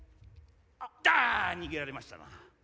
あ逃げられましたな。